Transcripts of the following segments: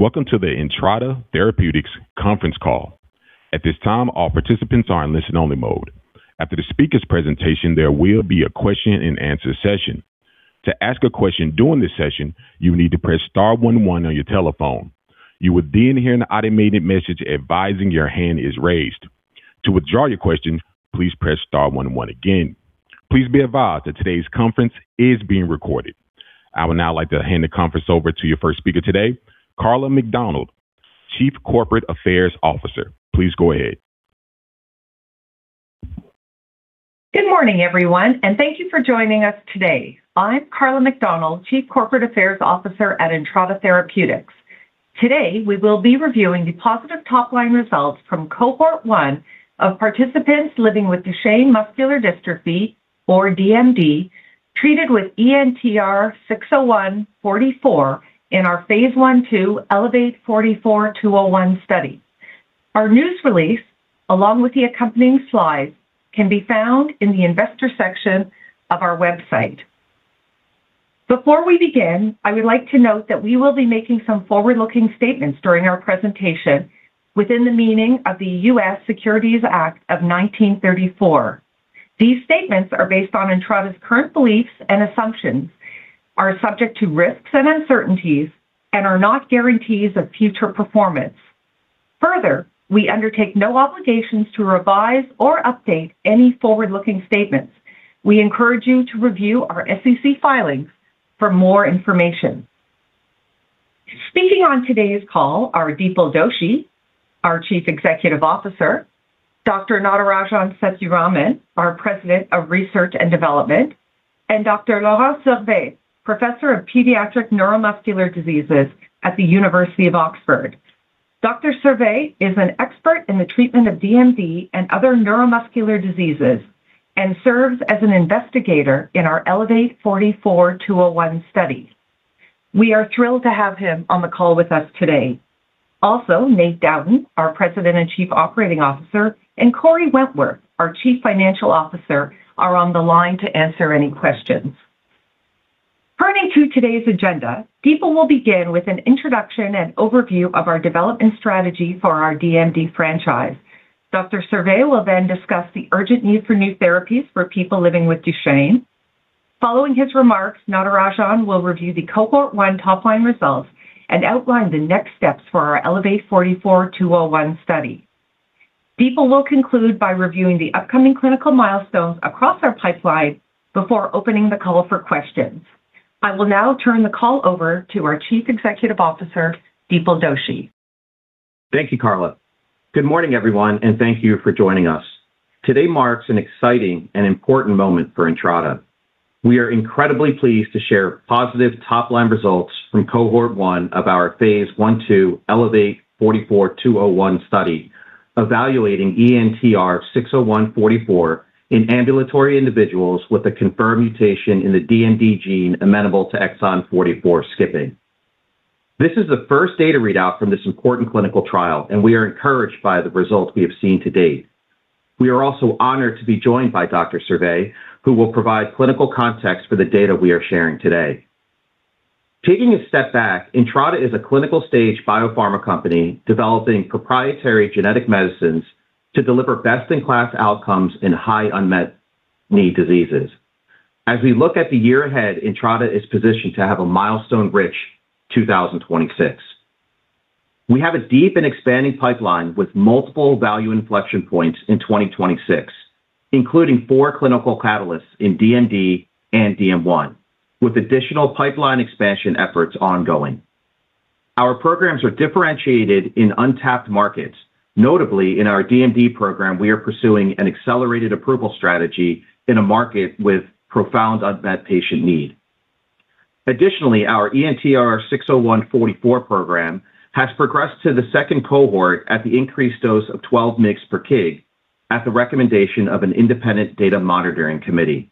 Welcome to the Entrada Therapeutics conference call. At this time, all participants are in listen-only mode. After the speaker's presentation, there will be a question-and-answer session. To ask a question during this session, you will need to press star one one on your telephone. You will then hear an automated message advising your hand is raised. To withdraw your question, please press star one one again. Please be advised that today's conference is being recorded. I would now like to hand the conference over to your first speaker today, Karla MacDonald, Chief Corporate Affairs Officer. Please go ahead. Good morning, everyone, thank you for joining us today. I'm Karla MacDonald, Chief Corporate Affairs Officer at Entrada Therapeutics. Today we will be reviewing the positive top line results from Cohort 1 of participants living with Duchenne muscular dystrophy or DMD, treated with ENTR-601-44 in our phase I/II ELEVATE-44-201 study. Our news release, along with the accompanying slides, can be found in the investor section of our website. Before we begin, I would like to note that we will be making some forward-looking statements during our presentation within the meaning of the U.S. Securities Act of 1934. These statements are based on Entrada's current beliefs and assumptions, are subject to risks and uncertainties, and are not guarantees of future performance. We undertake no obligations to revise or update any forward-looking statements. We encourage you to review our SEC filings for more information. Speaking on today's call are Dipal Doshi, our Chief Executive Officer, Dr. Natarajan Sethuraman, our President of Research and Development, and Dr. Laurent Servais, Professor of Paediatric Neuromuscular Diseases at the University of Oxford. Dr. Servais is an expert in the treatment of DMD and other neuromuscular diseases and serves as an investigator in our ELEVATE-44-201 study. We are thrilled to have him on the call with us today. Nate Dowden, our President and Chief Operating Officer, and Kory Wentworth, our Chief Financial Officer, are on the line to answer any questions. Turning to today's agenda, Dipal will begin with an introduction and overview of our development strategy for our DMD franchise. Dr. Servais will discuss the urgent need for new therapies for people living with Duchenne. Following his remarks, Natarajan will review the Cohort 1 top line results and outline the next steps for our ELEVATE-44-201 study. Dipal will conclude by reviewing the upcoming clinical milestones across our pipeline before opening the call for questions. I will now turn the call over to our Chief Executive Officer, Dipal Doshi. Thank you, Karla. Good morning, everyone, and thank you for joining us. Today marks an exciting and important moment for Entrada. We are incredibly pleased to share positive top line results from Cohort 1 of our phase I/II ELEVATE-44-201 study evaluating ENTR-601-44 in ambulatory individuals with a confirmed mutation in the DMD gene amenable to exon 44 skipping. This is the first data readout from this important clinical trial, and we are encouraged by the results we have seen to date. We are also honored to be joined by Dr. Servais, who will provide clinical context for the data we are sharing today. Taking a step back, Entrada is a clinical stage biopharma company developing proprietary genetic medicines to deliver best in class outcomes in high unmet need diseases. As we look at the year ahead, Entrada is positioned to have a milestone rich 2026. We have a deep and expanding pipeline with multiple value inflection points in 2026, including four clinical catalysts in DMD and DM1, with additional pipeline expansion efforts ongoing. Our programs are differentiated in untapped markets. Notably, in our DMD program, we are pursuing an accelerated approval strategy in a market with profound unmet patient need. Additionally, our ENTR-601-44 program has progressed to the second Cohort at the increased dose of 12mg/kg at the recommendation of an independent data monitoring committee.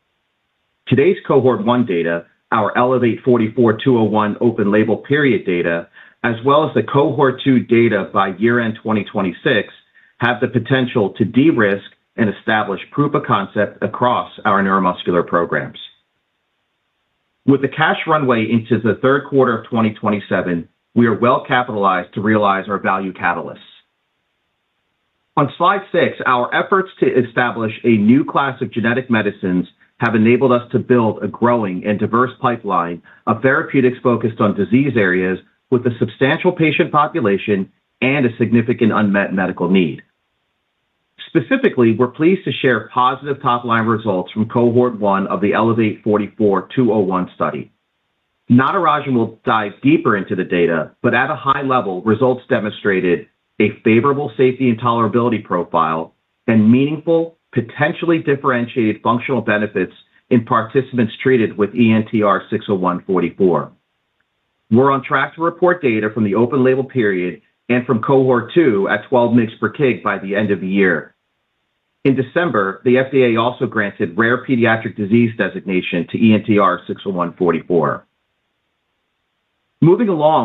Today's Cohort 1 data, our ELEVATE-44-201 open label period data, as well as the Cohort 2 data by year end 2026, have the potential to de-risk and establish proof of concept across our neuromuscular programs. With the cash runway into the third quarter of 2027, we are well capitalized to realize our value catalysts. On slide six, our efforts to establish a new class of genetic medicines have enabled us to build a growing and diverse pipeline of therapeutics focused on disease areas with a substantial patient population and a significant unmet medical need. Specifically, we're pleased to share positive top line results from Cohort 1 of the ELEVATE-44-201 study. Natarajan will dive deeper into the data, at a high level, results demonstrated a favorable safety and tolerability profile and meaningful, potentially differentiated functional benefits in participants treated with ENTR-601-44. We're on track to report data from the open label period and from Cohort 2 at 12mg/kg by the end of the year. In December, the FDA also granted rare pediatric disease designation to ENTR-601-44.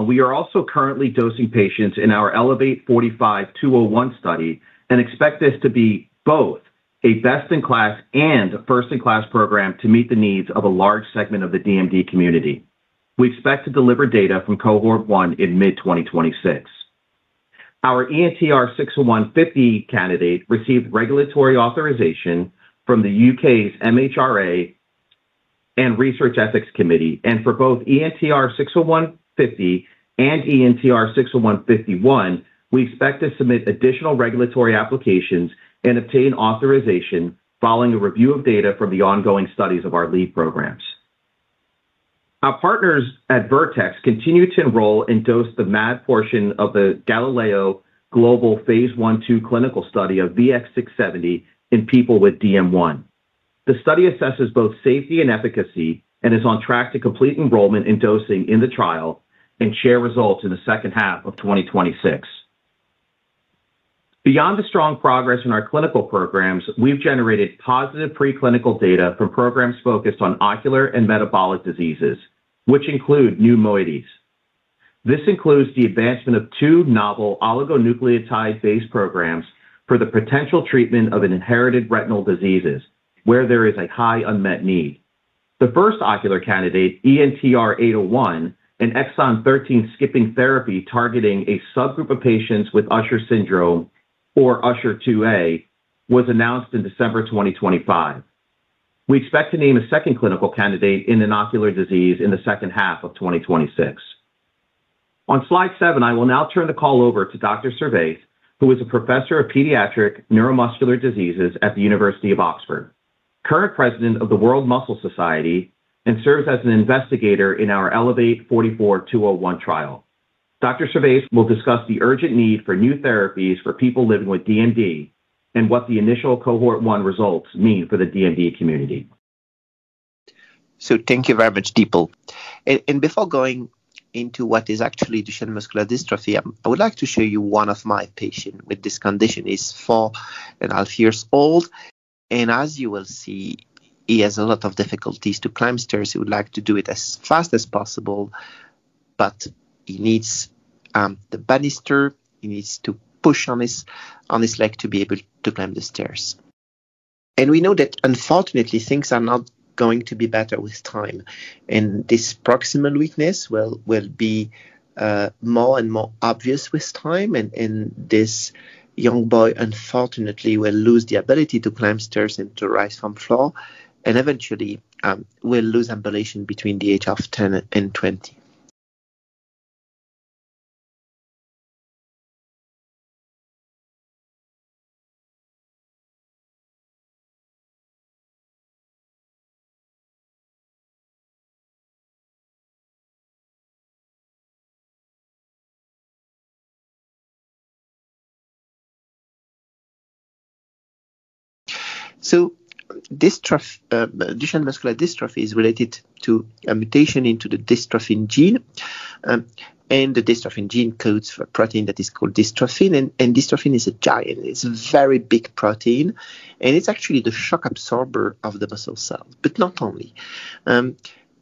We are also currently dosing patients in our ELEVATE-45-201 study and expect this to be both a best in class and a first in class program to meet the needs of a large segment of the DMD community. We expect to deliver data from Cohort 1 in mid 2026. Our ENTR-601-50 candidate received regulatory authorization from the U.K.'s MHRA and Research Ethics Committee. For both ENTR-601-50 and ENTR-601-51, we expect to submit additional regulatory applications and obtain authorization following a review of data from the ongoing studies of our lead programs. Our partners at Vertex continue to enroll and dose the MAD portion of the GALILEO global phase I/II clinical study of VX-670 in people with DM1. The study assesses both safety and efficacy and is on track to complete enrollment in dosing in the trial and share results in the second half of 2026. Beyond the strong progress in our clinical programs, we've generated positive preclinical data for programs focused on ocular and metabolic diseases, which include new moieties. This includes the advancement of two novel oligonucleotide-based programs for the potential treatment of inherited retinal diseases where there is a high unmet need. The first ocular candidate, ENTR-801, an exon 13 skipping therapy targeting a subgroup of patients with Usher syndrome or Usher 2A, was announced in December 2025. We expect to name a second clinical candidate in an ocular disease in the second half of 2026. On slide seven, I will now turn the call over to Dr. Servais, who is a professor of pediatric neuromuscular diseases at the University of Oxford, current President of the World Muscle Society, and serves as an investigator in our ELEVATE-44-201 trial. Dr. Servais will discuss the urgent need for new therapies for people living with DMD and what the initial Cohort 1 results mean for the DMD community. Thank you very much, Dipal. Before going into what is actually Duchenne muscular dystrophy, I would like to show you one of my patient with this condition. He's four and a half years old, and as you will see, he has a lot of difficulties to climb stairs. He would like to do it as fast as possible, but he needs the banister. He needs to push on his leg to be able to climb the stairs. We know that unfortunately things are not going to be better with time, and this proximal weakness will be more and more obvious with time and this young boy unfortunately will lose the ability to climb stairs and to rise from floor, eventually will lose ambulation between the age of 10 and 20. Duchenne muscular dystrophy is related to a mutation into the dystrophin gene, and the dystrophin gene codes for protein that is called dystrophin, and dystrophin is a giant. It's a very big protein, and it's actually the shock absorber of the muscle cell, but not only.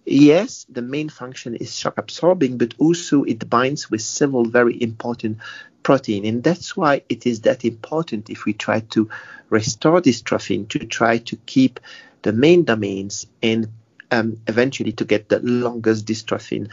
Yes, the main function is shock absorbing, but also it binds with several very important protein, and that's why it is that important if we try to restore dystrophin to try to keep the main domains and eventually to get the longest dystrophin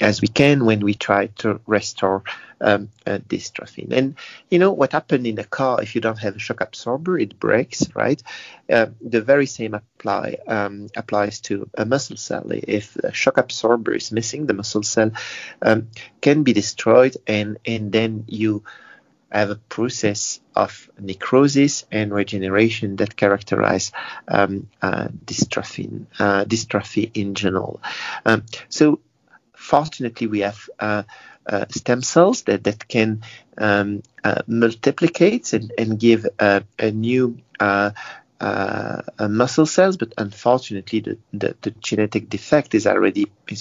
as we can when we try to restore dystrophin. You know what happen in a car if you don't have a shock absorber? It breaks, right? The very same applies to a muscle cell. If a shock absorber is missing, the muscle cell can be destroyed and then you have a process of necrosis and regeneration that characterize dystrophin dystrophy in general. So fortunately we have stem cells that can multiplicates and give a new muscle cells, but unfortunately the genetic defect is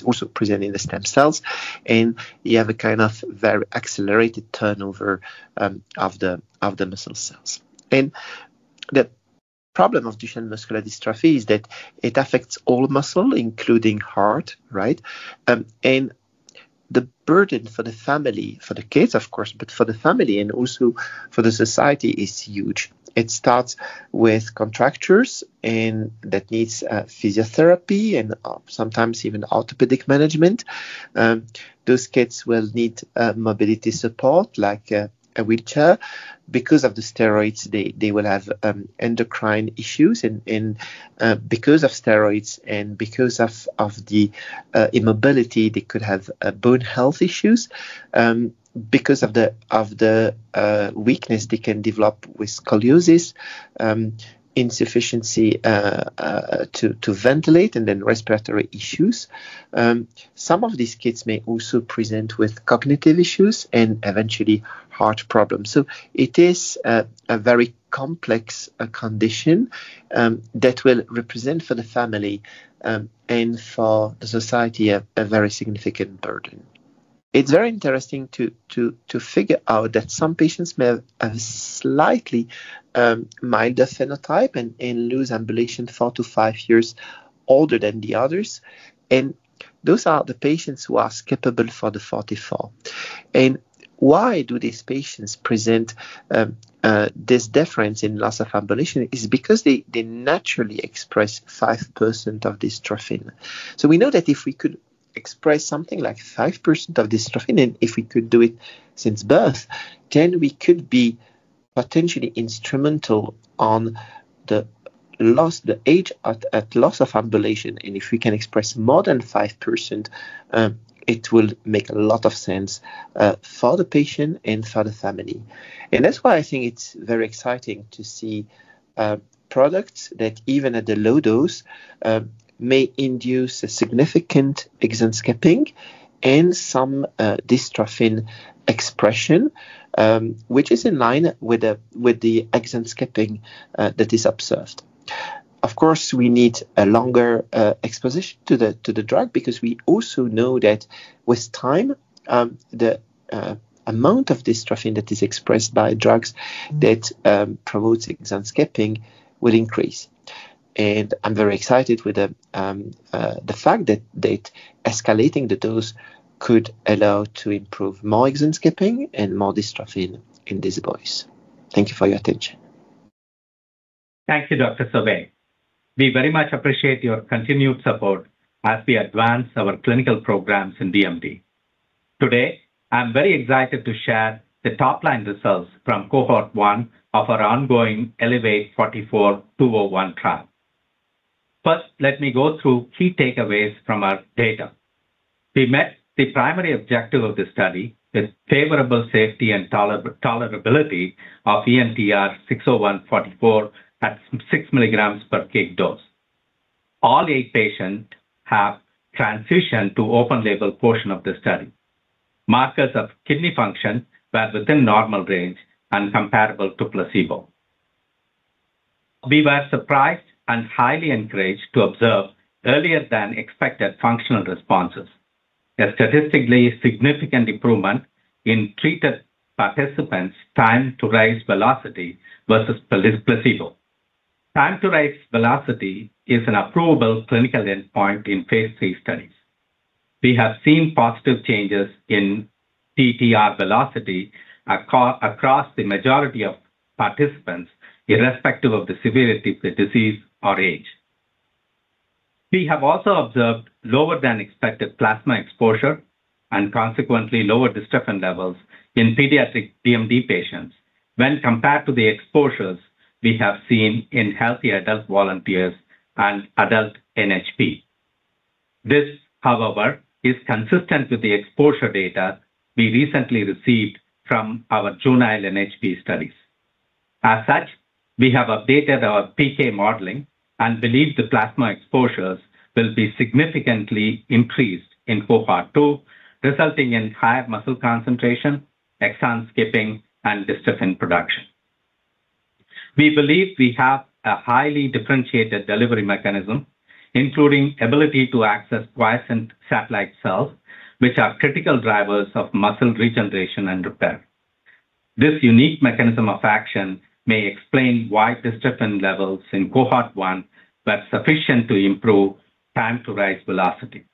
also present in the stem cells, and you have a kind of very accelerated turnover of the muscle cells. The problem of Duchenne muscular dystrophy is that it affects all muscle, including heart, right? The burden for the family, for the kids of course, but for the family and also for the society is huge. It starts with contractures, and that needs physiotherapy and sometimes even orthopedic management. Those kids will need mobility support like a wheelchair. Because of the steroids they will have endocrine issues and because of steroids and because of the immobility, they could have bone health issues. Because of the weakness they can develop with scoliosis, insufficiency to ventilate and then respiratory issues. Some of these kids may also present with cognitive issues and eventually heart problems. It is a very complex condition that will represent for the family and for the society a very significant burden. It's very interesting to figure out that some patients may have a slightly milder phenotype and lose ambulation four to five years older than the others, and those are the patients who are skippable for the 44. Why do these patients present this difference in loss of ambulation is because they naturally express 5% of dystrophin. We know that if we could express something like 5% of dystrophin, and if we could do it since birth, then we could be potentially instrumental on the loss, the age at loss of ambulation. If we can express more than 5%, it will make a lot of sense for the patient and for the family. That's why I think it's very exciting to see products that even at a low dose may induce a significant exon skipping and some dystrophin expression, which is in line with the exon skipping that is observed. Of course, we need a longer exposition to the drug because we also know that with time, the amount of dystrophin that is expressed by drugs that promotes exon skipping will increase. I'm very excited with the fact that escalating the dose could allow to improve more exon skipping and more dystrophin in these boys. Thank you for your attention. Thank you, Dr. Servais. We very much appreciate your continued support as we advance our clinical programs in DMD. Today, I'm very excited to share the topline results from Cohort 1 of our ongoing ELEVATE-44-201 trial. First, let me go through key takeaways from our data. We met the primary objective of the study with favorable safety and tolerability of ENTR-601-44 at 6mg/kg dose. All eight patients have transitioned to open label portion of the study. Markers of kidney function were within normal range and comparable to placebo. We were surprised and highly encouraged to observe earlier than expected functional responses. A statistically significant improvement in treated participants time to rise velocity versus placebo. Time to rise velocity is an approvable clinical endpoint in phase III studies. We have seen positive changes in TTR velocity across the majority of participants, irrespective of the severity of the disease or age. We have also observed lower than expected plasma exposure and consequently lower dystrophin levels in pediatric DMD patients when compared to the exposures we have seen in healthy adult volunteers and adult NHP. This, however, is consistent with the exposure data we recently received from our juvenile NHP studies. We have updated our PK modeling and believe the plasma exposures will be significantly increased in Cohort 2, resulting in higher muscle concentration, exon skipping, and dystrophin production. We believe we have a highly differentiated delivery mechanism, including ability to access quiescent satellite cells, which are critical drivers of muscle regeneration and repair. This unique mechanism of action may explain why dystrophin levels in Cohort 1 were sufficient to improve time to rise velocity.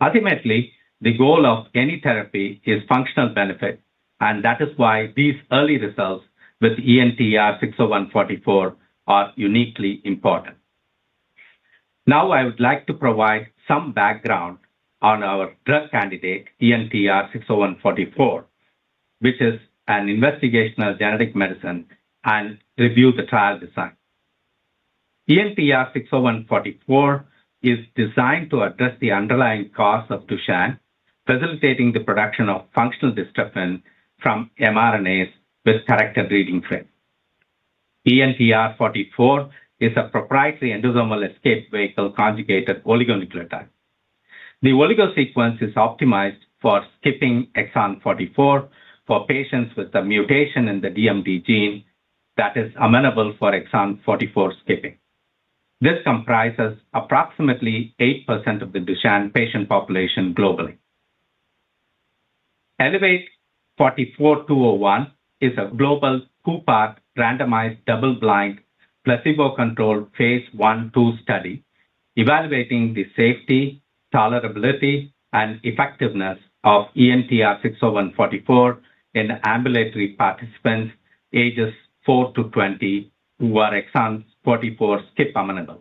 Ultimately, the goal of any therapy is functional benefit, and that is why these early results with ENTR-601-44 are uniquely important. Now, I would like to provide some background on our drug candidate, ENTR-601-44, which is an investigational genetic medicine, and review the trial design. ENTR-601-44 is designed to address the underlying cause of Duchenne, facilitating the production of functional dystrophin from mRNAs with corrected reading frame. ENTR-44 is a proprietary Endosomal Escape Vehicle conjugated oligonucleotide. The oligo sequence is optimized for skipping exon 44 for patients with a mutation in the DMD gene that is amenable for exon 44 skipping. This comprises approximately 8% of the Duchenne patient population globally. ELEVATE-44-201 is a global, two-part, randomized, double-blind, placebo-controlled phase I/II study evaluating the safety, tolerability, and effectiveness of ENTR-601-44 in ambulatory participants ages four to 20 who are exon 44 skip amenable.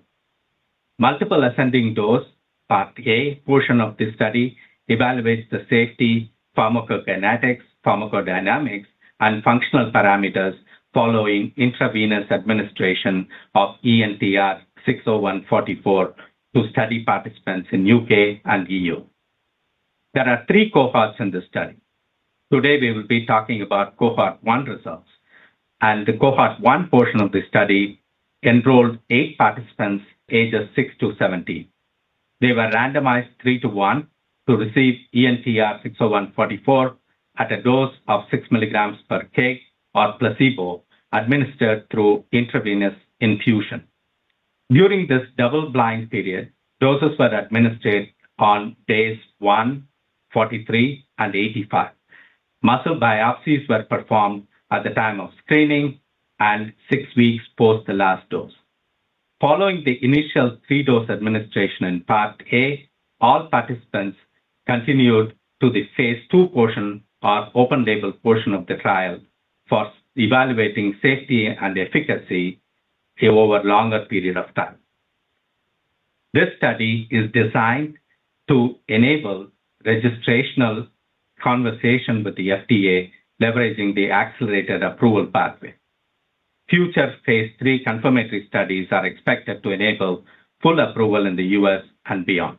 Multiple ascending dose, part A portion of the study, evaluates the safety, pharmacokinetics, pharmacodynamics, and functional parameters following intravenous administration of ENTR-601-44 to study participants in U.K. and E.U. There are three cohorts in the study. Today, we will be talking about Cohort 1 results, and the Cohort 1 portion of the study enrolled eight participants ages six to 17. They were randomized three to one to receive ENTR-601-44 at a dose of 6mg/kg or placebo administered through intravenous infusion. During this double-blind period, doses were administered on days one, 43, and 85. Muscle biopsies were performed at the time of screening and six weeks post the last dose. Following the initial three-dose administration in part A, all participants continued to the phase II portion, or open label portion of the trial, for evaluating safety and efficacy over longer period of time. This study is designed to enable registrational conversation with the FDA, leveraging the accelerated approval pathway. Future phase III confirmatory studies are expected to enable full approval in the U.S. and beyond.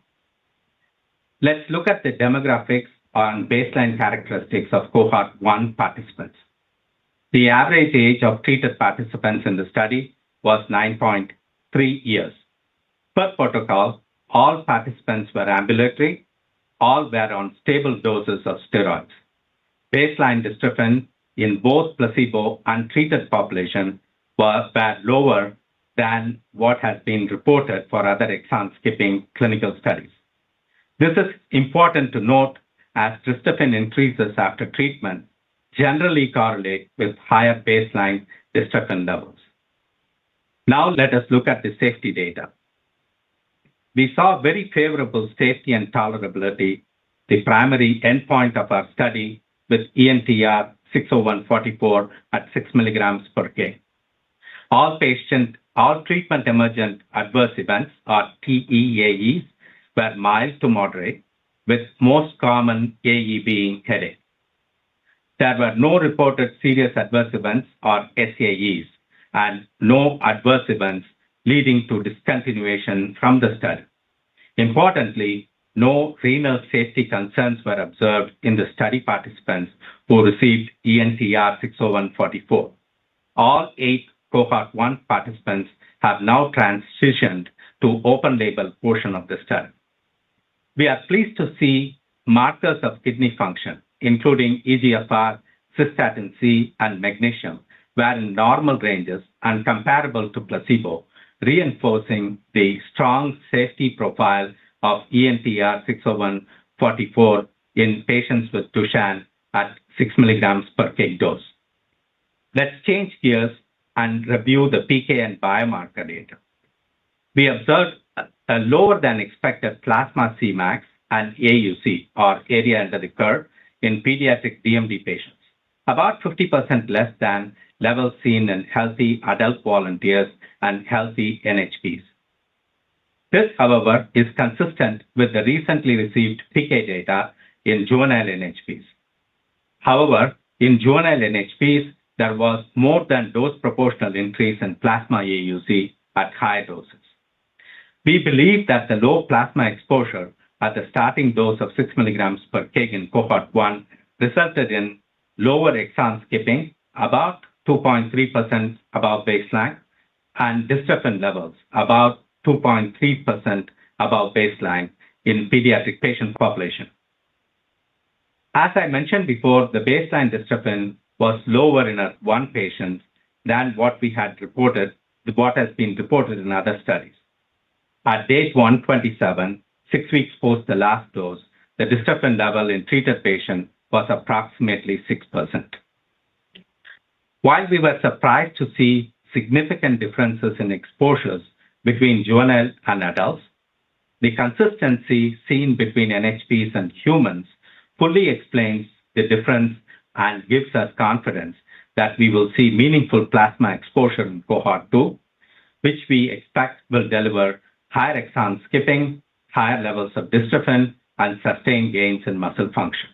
Let's look at the demographics on baseline characteristics of Cohort 1 participants. The average age of treated participants in the study was 9.3 years. Per protocol, all participants were ambulatory, all were on stable doses of steroids. Baseline dystrophin in both placebo and treated population were lower than what has been reported for other exon skipping clinical studies. This is important to note, as dystrophin increases after treatment generally correlate with higher baseline dystrophin levels. Let us look at the safety data. We saw very favorable safety and tolerability, the primary endpoint of our study with ENTR-601-44 at 6mg/kg. All patient treatment emergent adverse events, or TEAEs, were mild to moderate, with most common AE being headache. There were no reported serious adverse events, or SAEs, and no adverse events leading to discontinuation from the study. No renal safety concerns were observed in the study participants who received ENTR-601-44. All eight Cohort 1 participants have now transitioned to open label portion of the study. We are pleased to see markers of kidney function, including eGFR, cystatin C, and magnesium, were in normal ranges and comparable to placebo, reinforcing the strong safety profile of ENTR-601-44 in patients with Duchenne at 6mg/kg dose. Let's change gears and review the PK and biomarker data. We observed a lower than expected plasma Cmax and AUC, or area under the curve, in pediatric DMD patients. About 50% less than levels seen in healthy adult volunteers and healthy NHPs. This, however, is consistent with the recently received PK data in juvenile NHPs. In juvenile NHPs, there was more than dose proportional increase in plasma AUC at high doses. We believe that the low plasma exposure at the starting dose of 6mg/kg in Cohort 1 resulted in lower exon skipping, about 2.3% above baseline, and dystrophin levels, about 2.3% above baseline in pediatric patient population. As I mentioned before, the baseline dystrophin was lower in one patient than what we had reported than what has been reported in other studies. At day 127, six weeks post the last dose, the dystrophin level in treated patient was approximately 6%. While we were surprised to see significant differences in exposures between juveniles and adults, the consistency seen between NHPs and humans fully explains the difference and gives us confidence that we will see meaningful plasma exposure in Cohort 2, which we expect will deliver higher exon skipping, higher levels of dystrophin, and sustained gains in muscle function.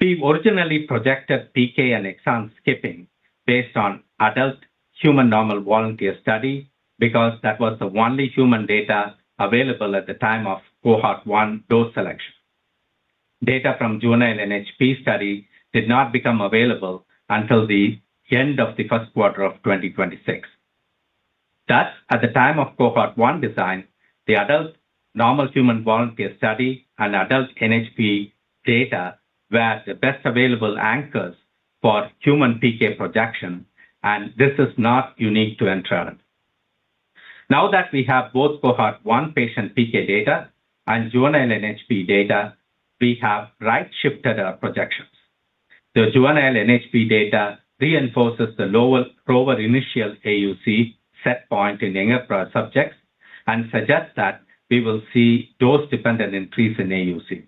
We originally projected PK and exon skipping based on adult human normal volunteer study because that was the only human data available at the time of Cohort 1 dose selection. Data from juvenile NHP study did not become available until the end of the first quarter of 2026. Thus, at the time of Cohort 1 design, the adult normal human volunteer study and adult NHP data were the best available anchors for human PK projection, and this is not unique to Entrada. Now that we have both Cohort 1 patient PK data and juvenile NHP data, we have right-shifted our projections. The juvenile NHP data reinforces the lower initial AUC set point in ENTR subjects and suggests that we will see dose-dependent increase in AUC.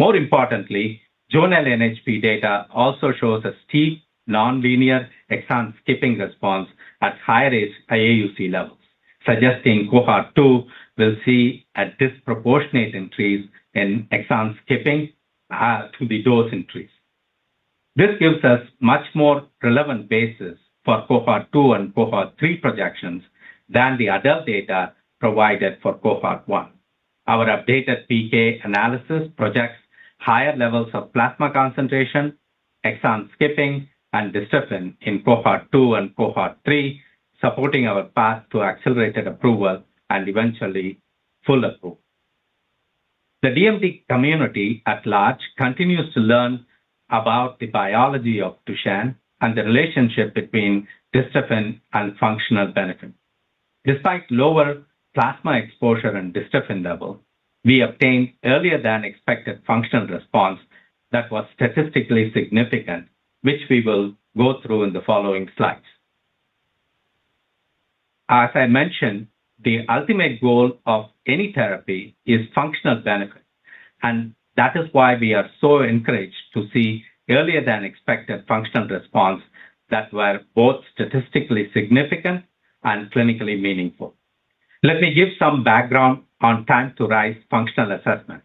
More importantly, juvenile NHP data also shows a steep non-linear exon skipping response at higher AUC levels, suggesting Cohort 2 will see a disproportionate increase in exon skipping to the dose increase. This gives us much more relevant basis for Cohort 2 and Cohort 3 projections than the adult data provided for Cohort 1. Our updated PK analysis projects higher levels of plasma concentration, exon skipping, and dystrophin in Cohort 2 and Cohort 3, supporting our path to accelerated approval and eventually full approval. The DMD community at large continues to learn about the biology of Duchenne and the relationship between dystrophin and functional benefit. Despite lower plasma exposure and dystrophin level, we obtained earlier than expected functional response that was statistically significant, which we will go through in the following slides. As I mentioned, the ultimate goal of any therapy is functional benefit, that is why we are so encouraged to see earlier than expected functional response that were both statistically significant and clinically meaningful. Let me give some background on time to rise functional assessment.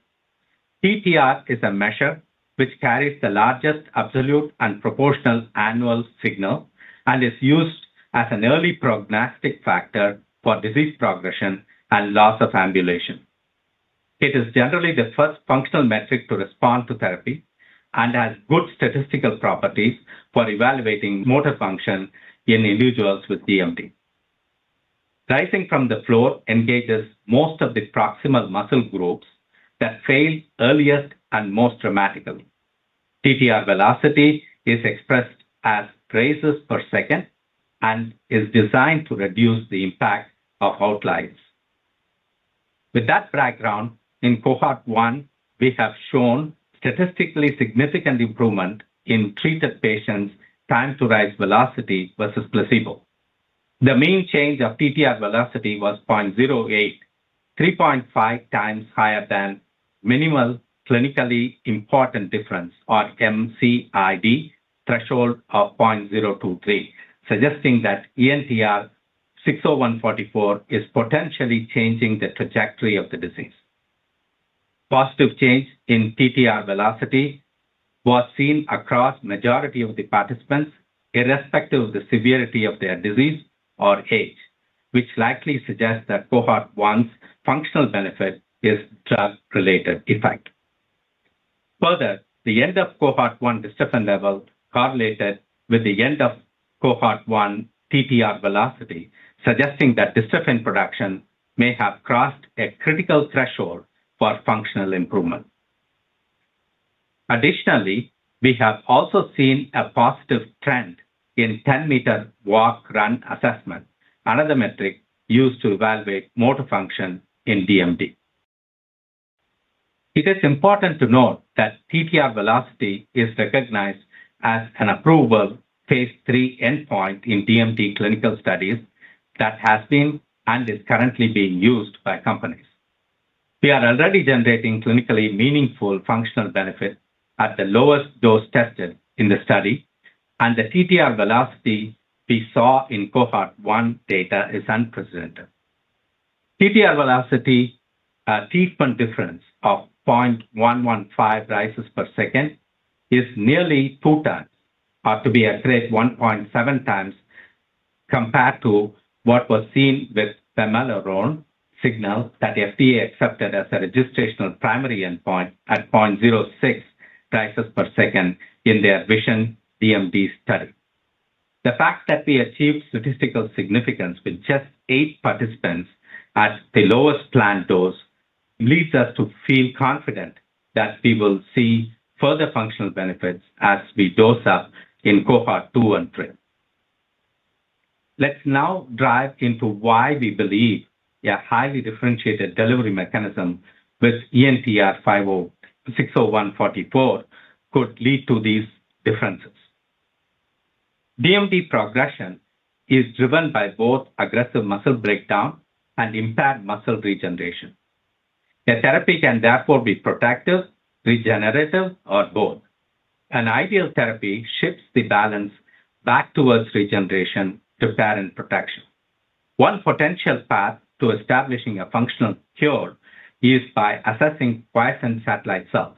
TTR is a measure which carries the largest absolute and proportional annual signal and is used as an early prognostic factor for disease progression and loss of ambulation. It is generally the first functional metric to respond to therapy and has good statistical properties for evaluating motor function in individuals with DMD. Rising from the floor engages most of the proximal muscle groups that fail earliest and most dramatically. TTR velocity is expressed as rises per second and is designed to reduce the impact of outliers. With that background, in Cohort 1, we have shown statistically significant improvement in treated patients' time to rise velocity versus placebo. The mean change of TTR velocity was 0.08, 3.5 times higher than minimal clinically important difference or MCID threshold of 0.023, suggesting that ENTR-601-44 is potentially changing the trajectory of the disease. Positive change in TTR velocity was seen across majority of the participants irrespective of the severity of their disease or age, which likely suggests that Cohort 1's functional benefit is drug-related effect. The end of Cohort 1 dystrophin level correlated with the end of Cohort 1 TTR velocity, suggesting that dystrophin production may have crossed a critical threshold for functional improvement. Additionally, we have also seen a positive trend in 10m walk/run assessment, another metric used to evaluate motor function in DMD. It is important to note that TTR velocity is recognized as an approval phase III endpoint in DMD clinical studies that has been and is currently being used by companies. We are already generating clinically meaningful functional benefit at the lowest dose tested in the study, and the TTR velocity we saw in Cohort 1 data is unprecedented. TTR velocity, treatment difference of 0.115 rises per second is nearly 2x, or to be accurate, 1.7x compared to what was seen with vamorolone signal that the FDA accepted as a registrational primary endpoint at 0.06 rises per second in their VISION-DMD study. The fact that we achieved statistical significance with just eight participants at the lowest planned dose leads us to feel confident that we will see further functional benefits as we dose up in Cohort 2 and 3. Let's now dive into why we believe a highly differentiated delivery mechanism with ENTR-601-44 could lead to these differences. DMD progression is driven by both aggressive muscle breakdown and impaired muscle regeneration. A therapy can therefore be protective, regenerative, or both. An ideal therapy shifts the balance back towards regeneration to pair with protection. One potential path to establishing a functional cure is by accessing quiescent satellite cells,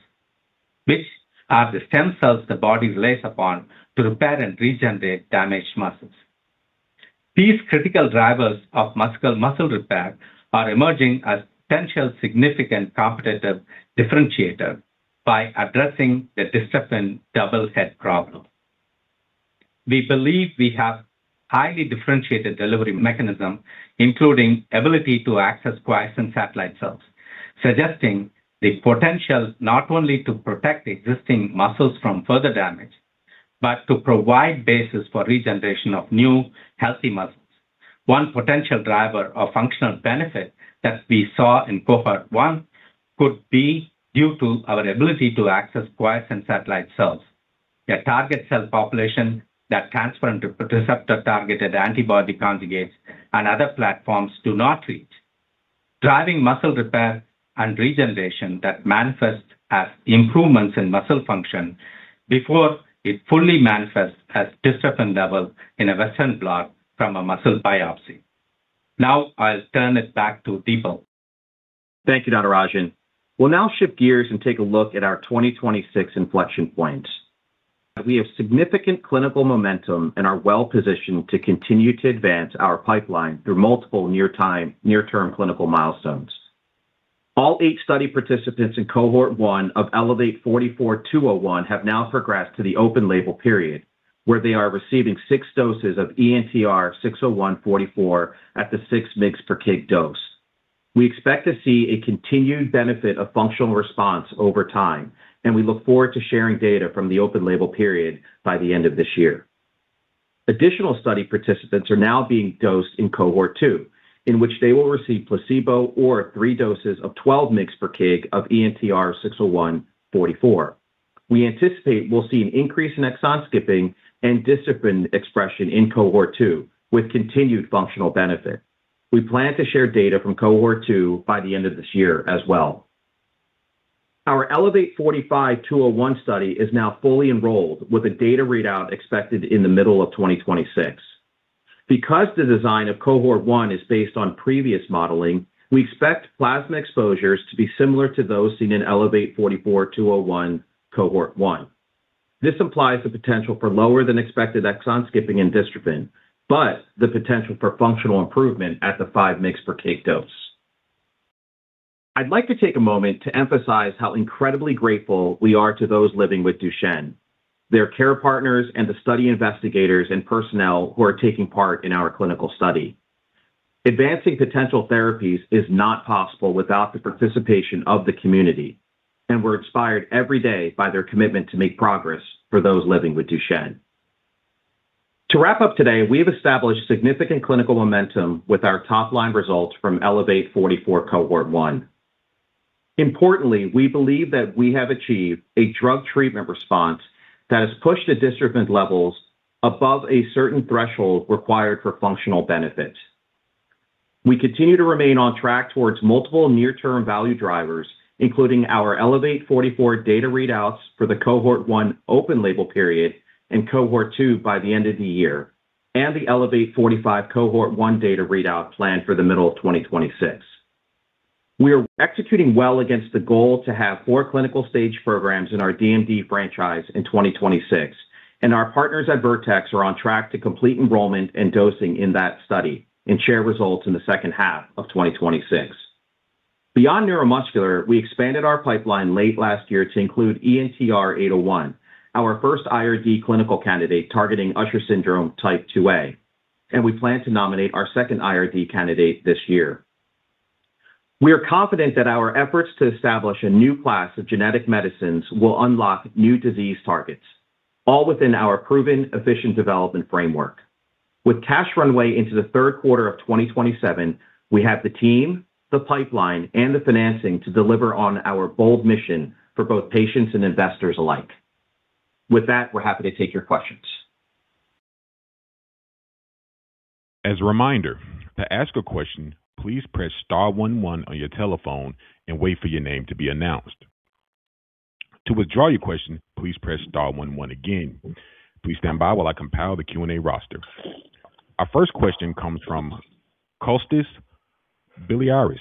which are the stem cells the body relies upon to repair and regenerate damaged muscles. These critical drivers of muscular muscle repair are emerging as potential significant competitive differentiator by addressing the dystrophin double hit problem. We believe we have highly differentiated delivery mechanism, including ability to access quiescent satellite cells, suggesting the potential not only to protect existing muscles from further damage, but to provide basis for regeneration of new healthy muscles. One potential driver of functional benefit that we saw in Cohort 1 could be due to our ability to access quiescent satellite cells, a target cell population that transferrin receptor targeted antibody conjugates and other platforms do not reach. Driving muscle repair and regeneration that manifest as improvements in muscle function before it fully manifests as dystrophin level in a western blot from a muscle biopsy. Now, I'll turn it back to Dipal. Thank you, Natarajan. We'll now shift gears and take a look at our 2026 inflection points. We have significant clinical momentum and are well-positioned to continue to advance our pipeline through multiple near-term clinical milestones. All eight study participants in Cohort 1 of ELEVATE-44-201 have now progressed to the open label period, where they are receiving six doses of ENTR-601-44 at the 6mg/kg dose. We expect to see a continued benefit of functional response over time, and we look forward to sharing data from the open label period by the end of this year. Additional study participants are now being dosed in Cohort 2, in which they will receive placebo or three doses of 12mg/kg of ENTR-601-44. We anticipate we'll see an increase in exon skipping and dystrophin expression in Cohort 2 with continued functional benefit. We plan to share data from Cohort 2 by the end of this year as well. Our ELEVATE-45-201 study is now fully enrolled with a data readout expected in the middle of 2026. Because the design of Cohort 1 is based on previous modeling, we expect plasma exposures to be similar to those seen in ELEVATE-44-201 Cohort 1. This implies the potential for lower than expected exon skipping and dystrophin, but the potential for functional improvement at the 5mg/kg dose. I'd like to take a moment to emphasize how incredibly grateful we are to those living with Duchenne, their care partners, and the study investigators and personnel who are taking part in our clinical study. Advancing potential therapies is not possible without the participation of the community, and we're inspired every day by their commitment to make progress for those living with Duchenne. To wrap up today, we have established significant clinical momentum with our top line results from ELEVATE-44 Cohort 1. Importantly, we believe that we have achieved a drug treatment response that has pushed the dystrophin levels above a certain threshold required for functional benefit. We continue to remain on track towards multiple near-term value drivers, including our ELEVATE-44 data readouts for the Cohort 1 open label period and Cohort 2 by the end of the year, and the ELEVATE-45 Cohort 1 data readout planned for the middle of 2026. We are executing well against the goal to have four clinical stage programs in our DMD franchise in 2026, and our partners at Vertex are on track to complete enrollment and dosing in that study and share results in the second half of 2026. Beyond neuromuscular, we expanded our pipeline late last year to include ENTR-801, our first IRD clinical candidate targeting Usher syndrome type 2A, and we plan to nominate our second IRD candidate this year. We are confident that our efforts to establish a new class of genetic medicines will unlock new disease targets, all within our proven efficient development framework. With cash runway into the third quarter of 2027, we have the team, the pipeline, and the financing to deliver on our bold mission for both patients and investors alike. With that, we're happy to take your questions. As a reminder, to ask a question, please press star one one on your telephone and wait for your name to be announced. To withdraw your question, please press star one one again. Please stand by while I compile the Q&A roster. Our first question comes from Kostas Biliouris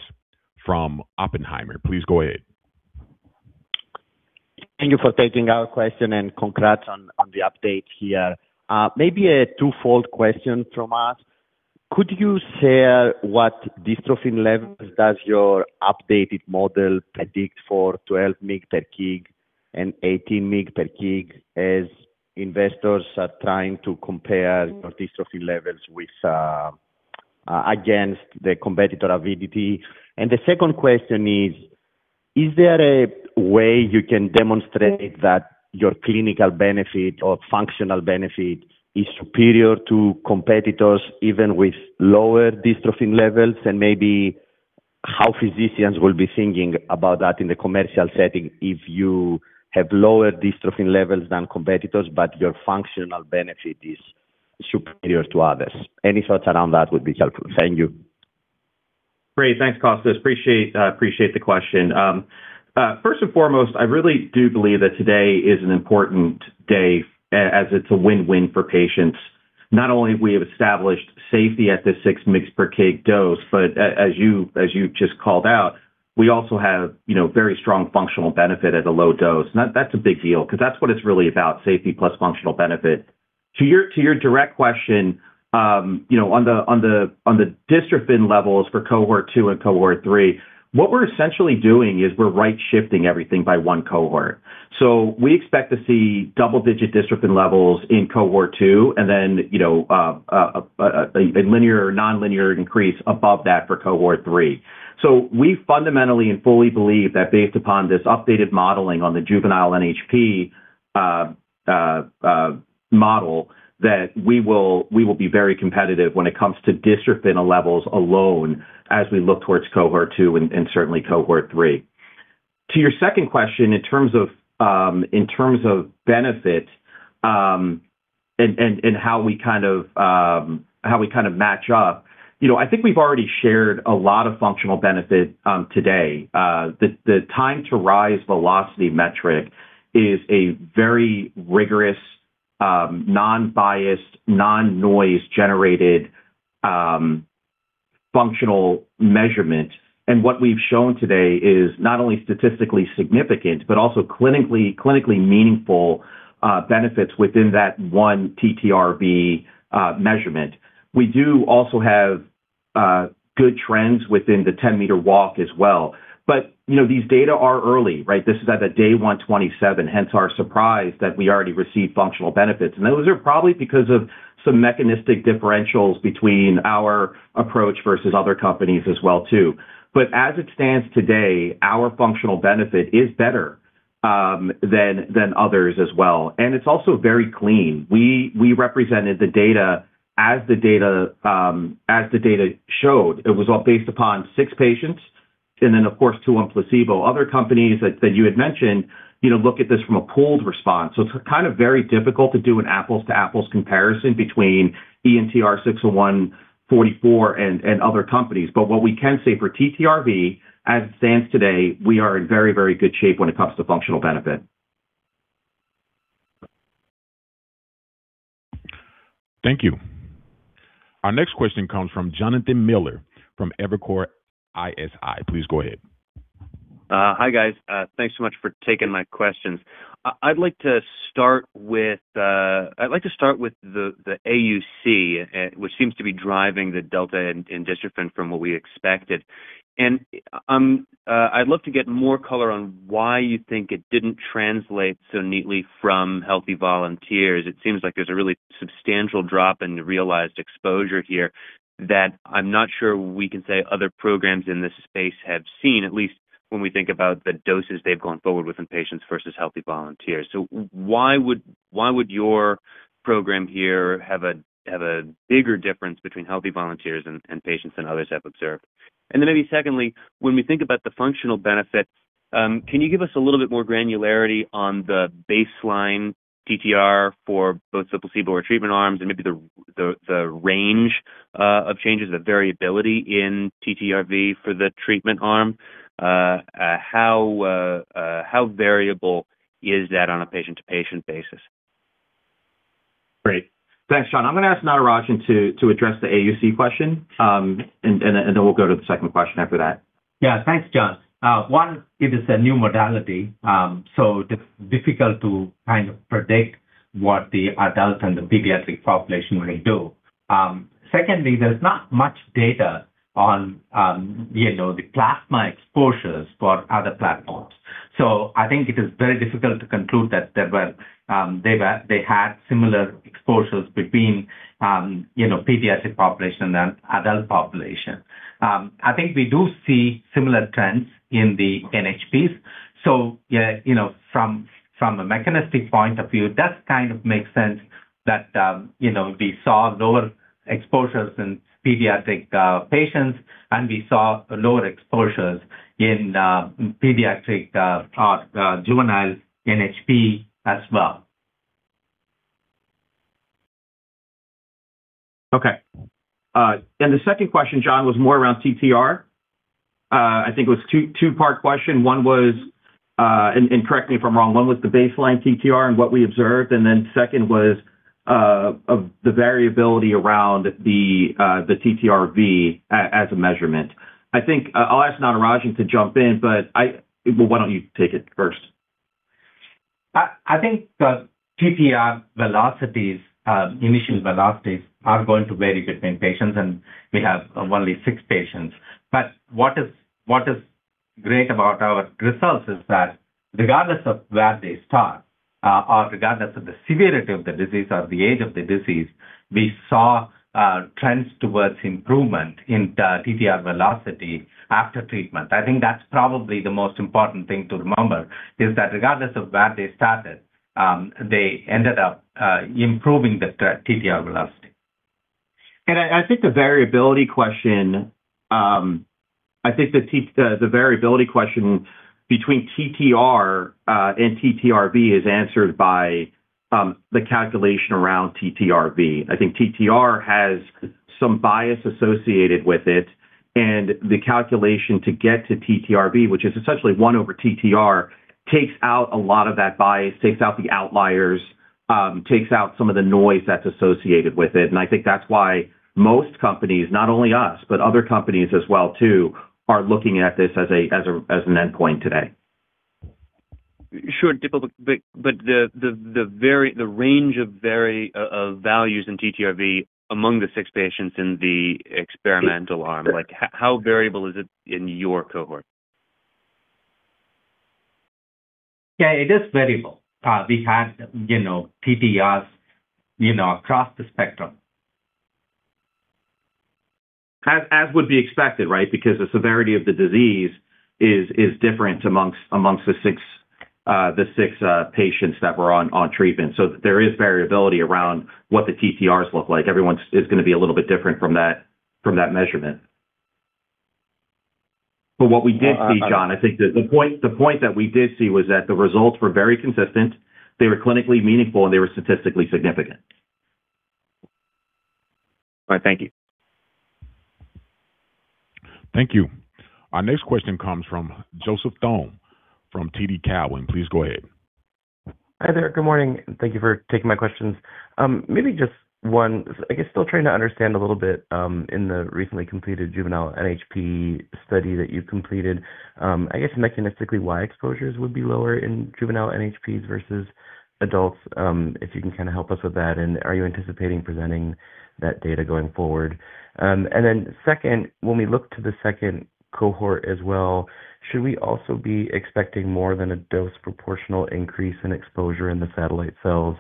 from Oppenheimer. Please go ahead. Thank you for taking our question, and congrats on the update here. Maybe a twofold question from us. Could you share what dystrophin levels does your updated model predict for 12mg/kg and 18mg/kg as investors are trying to compare your dystrophin levels with against the competitor Avidity? The second question is there a way you can demonstrate that your clinical benefit or functional benefit is superior to competitors even with lower dystrophin levels? Maybe how physicians will be thinking about that in the commercial setting if you have lower dystrophin levels than competitors, but your functional benefit is superior to others. Any thoughts around that would be helpful. Thank you. Great. Thanks, Kostas. Appreciate the question. First and foremost, I really do believe that today is an important day as it's a win-win for patients. Not only have we established safety at the 6mg/kg dose, but as you just called out, we also have, you know, very strong functional benefit at a low dose. That's a big deal because that's what it's really about, safety plus functional benefit. To your direct question, you know, on the dystrophin levels for Cohort 2 and Cohort 3, what we're essentially doing is we're right shifting everything by 1 Cohort. We expect to see double-digit dystrophin levels in Cohort 2 and then, you know, a linear or nonlinear increase above that for Cohort 3. We fundamentally and fully believe that based upon this updated modeling on the juvenile NHP model, that we will be very competitive when it comes to dystrophin levels alone as we look towards Cohort 2 and certainly Cohort 3. To your second question in terms of benefit and how we kind of match up, you know, I think we've already shared a lot of functional benefit today. The time to rise velocity metric is a very rigorous, non-biased, non-noise generated functional measurement. What we've shown today is not only statistically significant, but also clinically meaningful benefits within that one TTRV measurement. We do also have good trends within the 10m walk as well. You know, these data are early, right? This is at the day 127, hence our surprise that we already received functional benefits. Those are probably because of some mechanistic differentials between our approach versus other companies as well too. As it stands today, our functional benefit is better than others as well. It's also very clean. We represented the data as the data showed. It was all based upon six patients and then, of course, two on placebo. Other companies that you had mentioned, you know, look at this from a pooled response. It's kind of very difficult to do an apples to apples comparison between ENTR-601-44 and other companies. What we can say for TTRV, as it stands today, we are in very, very good shape when it comes to functional benefit. Thank you. Our next question comes from Jonathan Miller from Evercore ISI. Please go ahead. Hi, guys. Thanks so much for taking my questions. I'd like to start with the AUC, which seems to be driving the delta in dystrophin from what we expected. I'd love to get more color on why you think it didn't translate so neatly from healthy volunteers. It seems like there's a really substantial drop in the realized exposure here that I'm not sure we can say other programs in this space have seen, at least when we think about the doses they've gone forward with in patients versus healthy volunteers. Why would your program here have a bigger difference between healthy volunteers and patients than others have observed? Maybe secondly, when we think about the functional benefit, can you give us a little bit more granularity on the baseline TTR for both the placebo or treatment arms and maybe the range of changes, the variability in TTRV for the treatment arm? How variable is that on a patient to patient basis? Great. Thanks, Jon. I'm gonna ask Natarajan to address the AUC question, and then we'll go to the second question after that. Thanks, Jon. One, it is a new modality, so difficult to kind of predict what the adult and the pediatric population will do. Secondly, there's not much data on, you know, the plasma exposures for other platforms. I think it is very difficult to conclude that there were, they had similar exposures between, you know, pediatric population and adult population. I think we do see similar trends in the NHPs. Yeah, you know, from a mechanistic point of view, that kind of makes sense that, you know, we saw lower exposures in pediatric patients, and we saw lower exposures in pediatric juvenile NHP as well. Okay. The second question, Jon, was more around TTR. I think it was a two-part question. One was, and correct me if I'm wrong. One was the baseline TTR and what we observed. Second was of the variability around the TTRV as a measurement. I think I'll ask Natarajan to jump in, but, well, why don't you take it first? I think the TTR velocities, initial velocities are going to vary between patients. We have only six patients. What is great about our results is that regardless of where they start, or regardless of the severity of the disease or the age of the disease, we saw trends towards improvement in the TTR velocity after treatment. I think that's probably the most important thing to remember, is that regardless of where they started, they ended up improving the TTR velocity. I think the variability question between TTR and TTRV is answered by the calculation around TTRV. I think TTR has some bias associated with it, and the calculation to get to TTRV, which is essentially one over TTR, takes out a lot of that bias, takes out the outliers, takes out some of the noise that's associated with it. I think that's why most companies, not only us, but other companies as well too, are looking at this as an endpoint today. Sure. The range of values in TTRV among the six patients in the experimental arm, like how variable is it in your Cohort? Yeah, it is variable. We had, you know, TTRs, you know, across the spectrum. As would be expected, right? Because the severity of the disease is different amongst the six patients that were on treatment. There is variability around what the TTRs look like. Everyone's is gonna be a little bit different from that measurement. What we did see, Jon, I think the point that we did see was that the results were very consistent, they were clinically meaningful, and they were statistically significant. All right. Thank you. Thank you. Our next question comes from Joseph Thome from TD Cowen. Please go ahead. Hi there. Good morning, thank you for taking my questions. Maybe just one. I guess still trying to understand a little bit in the recently completed juvenile NHP study that you completed, I guess mechanistically why exposures would be lower in juvenile NHPs versus adults, if you can kind of help us with that, and are you anticipating presenting that data going forward? Second, when we look to the second Cohort as well, should we also be expecting more than a dose proportional increase in exposure in the satellite cells?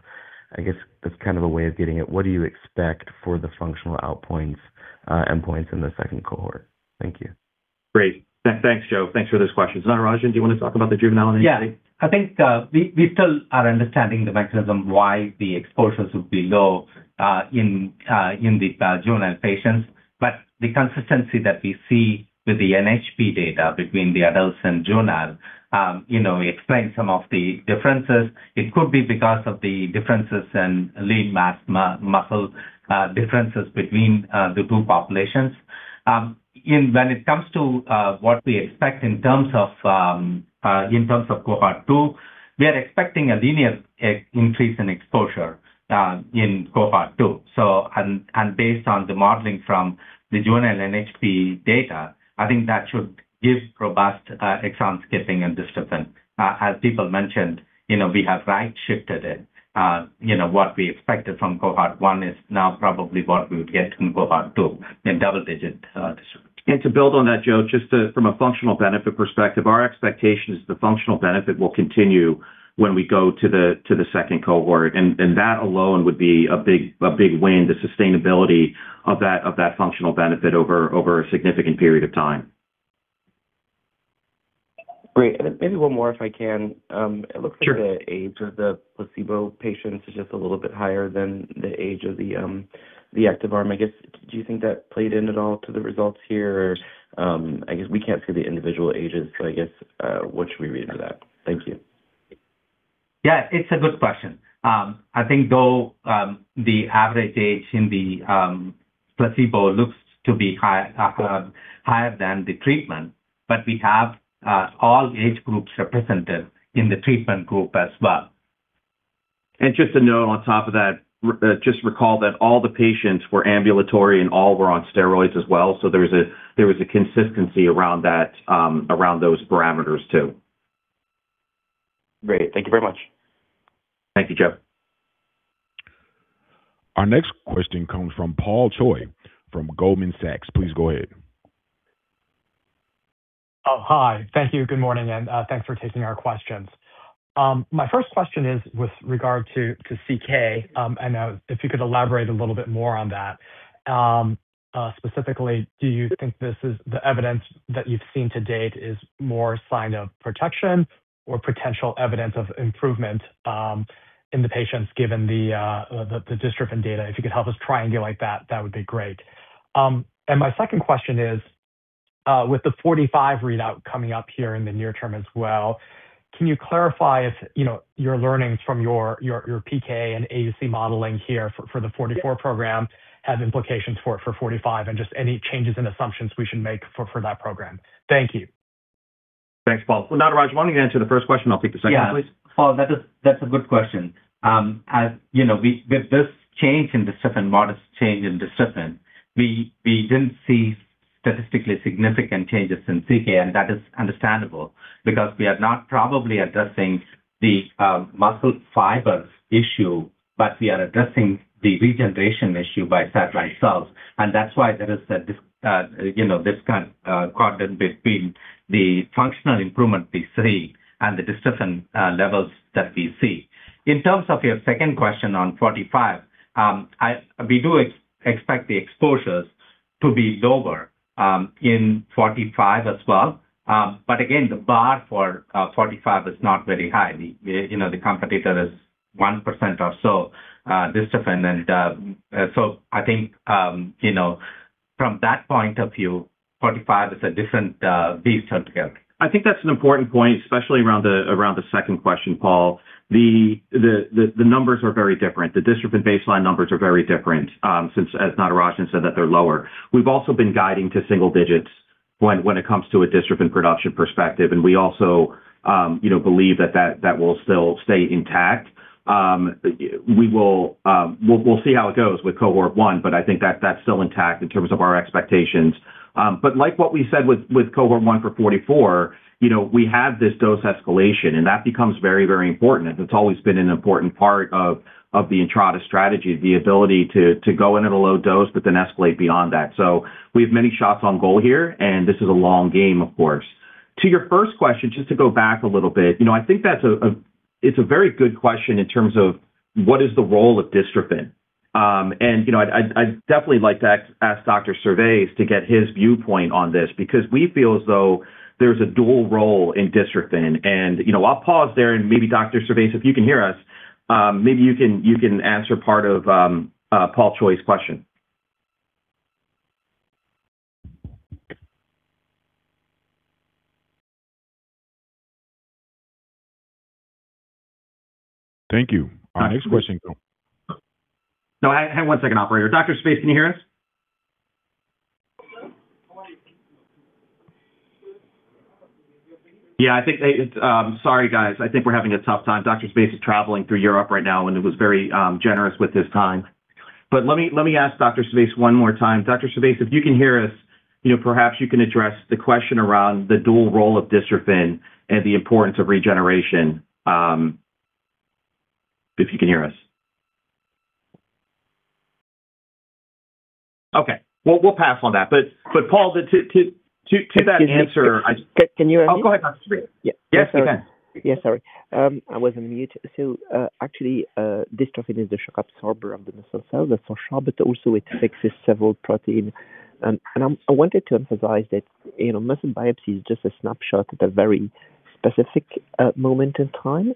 I guess that's kind of a way of getting at what do you expect for the functional endpoints in the second Cohort? Thank you. Great. Thanks, Joe. Thanks for those questions. Natarajan, do you want to talk about the juvenile anything? Yeah. I think we still are understanding the mechanism why the exposures would be low in the juvenile patients. The consistency that we see with the NHP data between the adults and juvenile, you know, explain some of the differences. It could be because of the differences in lean mass, muscle differences between the two populations. In when it comes to what we expect in terms of in terms of Cohort 2, we are expecting a linear increase in exposure in Cohort 2. Based on the modeling from the juvenile NHP data, I think that should give robust exon skipping and dystrophin. As people mentioned, you know, we have right shifted it. You know, what we expected from Cohort 1 is now probably what we would get in Cohort 2 in double digit dystrophin. To build on that, Joe, just from a functional benefit perspective, our expectation is the functional benefit will continue when we go to the second Cohort. That alone would be a big win, the sustainability of that functional benefit over a significant period of time. Great. Maybe one more, if I can. Sure. The age of the placebo patients is just a little bit higher than the age of the active arm. I guess, do you think that played in at all to the results here? I guess we can't see the individual ages, so I guess, what should we read into that? Thank you. Yeah, it's a good question. I think though, the average age in the placebo looks to be high, higher than the treatment, but we have all age groups represented in the treatment group as well. Just a note on top of that, just recall that all the patients were ambulatory and all were on steroids as well. There was a consistency around that, around those parameters too. Great. Thank you very much. Thank you, Joe. Our next question comes from Paul Choi from Goldman Sachs. Please go ahead. Thank you. Good morning, and thanks for taking our questions. My first question is with regard to CK, and if you could elaborate a little bit more on that. Specifically, do you think this is the evidence that you've seen to date is more a sign of protection or potential evidence of improvement in the patients given the dystrophin data? If you could help us triangulate that would be great. My second question is with the 45 readout coming up here in the near term as well, can you clarify if, you know, your learnings from your PK and AUC modeling here for the 44 program has implications for 45 and just any changes in assumptions we should make for that program? Thank you. Thanks, Paul. Natarajan, why don't you answer the first question? I'll take the second, please. Yeah. Paul, that's a good question. As you know, with this change in dystrophin, modest change in dystrophin, we didn't see statistically significant changes in CK, and that is understandable because we are not probably addressing the muscle fibers issue, but we are addressing the regeneration issue by satellite cells. That's why there is this, you know, this concordant between the functional improvement we see and the dystrophin levels that we see. In terms of your second question on 45, we do expect the exposures to be lower in 45 as well. Again, the bar for 45 is not very high. The, you know, the competitor is 1% or so dystrophin. I think, you know, from that point of view, 45 is a different beast altogether. I think that's an important point, especially around the second question, Paul. The numbers are very different. The dystrophin baseline numbers are very different, since, as Natarajan said, that they're lower. We've also been guiding to single digits when it comes to a dystrophin production perspective, and we also, you know, believe that that will still stay intact. We will see how it goes with Cohort 1, but I think that's still intact in terms of our expectations. Like what we said with Cohort 1 for 44, you know, we have this dose escalation, and that becomes very, very important. It's always been an important part of the Entrada strategy, the ability to go in at a low dose but then escalate beyond that. We have many shots on goal here, and this is a long game, of course. To your first question, just to go back a little bit, you know, I think that's a, it's a very good question in terms of what is the role of dystrophin. You know, I'd definitely like to ask Dr. Servais to get his viewpoint on this because we feel as though there's a dual role in dystrophin. You know, I'll pause there and maybe Dr. Servais, if you can hear us, maybe you can answer part of Paul Choi's question. Thank you. Our next question- No, I have one second, operator. Dr. Servais, can you hear us? Yeah, sorry, guys. I think we're having a tough time. Dr. Servais is traveling through Europe right now, and he was very generous with his time. Let me ask Dr. Servais one more time. Dr. Servais, if you can hear us, you know, perhaps you can address the question around the dual role of dystrophin and the importance of regeneration, if you can hear us. Okay. We'll pass on that. Paul, to that answer. Can you hear me? Oh, go ahead, Dr. Servais. Yeah. Yes, you can. Yeah, sorry. I was on mute. Actually, dystrophin is the shock absorber of the muscle cells, that's for sure, but also it fixes several protein. I wanted to emphasize that, you know, muscle biopsy is just a snapshot at a very specific moment in time.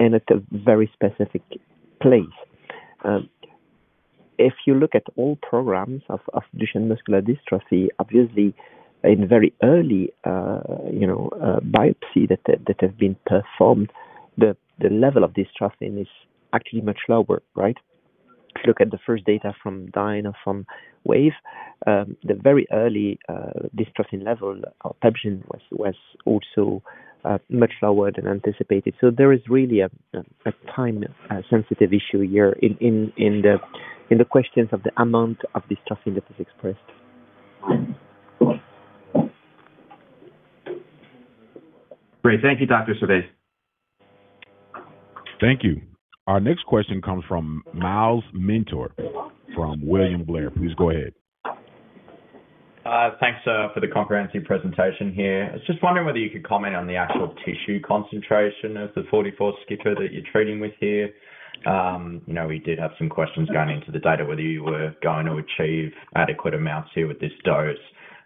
At a very specific place. If you look at Duchenne muscular dystrophy programs, obviously in very early biopsy that have been performed, the level of dystrophin is actually much lower, right? If you look at the first data from Dyne or from Wave, the very early dystrophin level or dystrophin was also much lower than anticipated. There is really a time sensitive issue here in the questions of the amount of dystrophin that is expressed. Great. Thank you, Dr. Servais. Thank you. Our next question comes from Myles Minter from William Blair. Please go ahead. Thanks for the comprehensive presentation here. I was just wondering whether you could comment on the actual tissue concentration of the 44 skip that you're treating with here. You know, we did have some questions going into the data whether you were going to achieve adequate amounts here with this dose.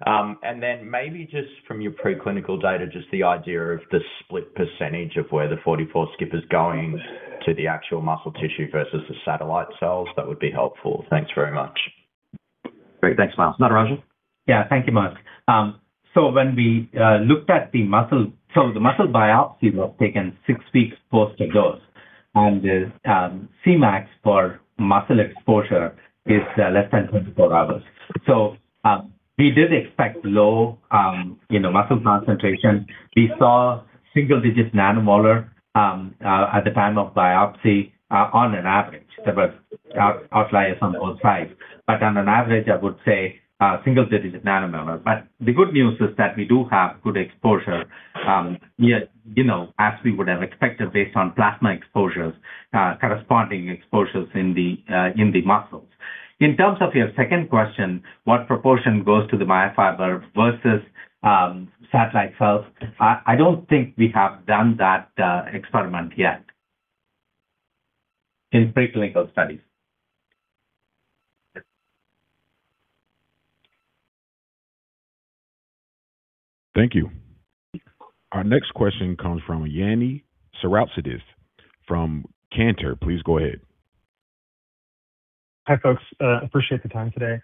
And then maybe just from your preclinical data, just the idea of the split percentage of where the 44 skip is going to the actual muscle tissue versus the satellite cells, that would be helpful. Thanks very much. Great. Thanks, Myles. Natarajan? Yeah. Thank you, Myles. When we looked at the muscle. The muscle biopsy was taken six weeks post the dose, and the Cmax for muscle exposure is less than 24 hours. We did expect low, you know, muscle concentration. We saw single-digit nanomolar at the time of biopsy, on an average. There were outliers on both sides, but on an average, I would say, single-digit nanomolar. The good news is that we do have good exposure, yet, you know, as we would have expected based on plasma exposures, corresponding exposures in the muscles. In terms of your second question, what proportion goes to the myofiber versus satellite cells, I don't think we have done that experiment yet in preclinical studies. Thank you. Our next question comes from Yanni Souroutzidis from Cantor. Please go ahead. Hi, folks. Appreciate the time today.